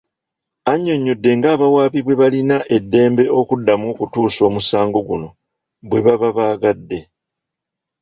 Annyonnyodde ng'abawaabi bwe balina eddembe okuddamu okuttusa omusango guno bwe baba baagadde.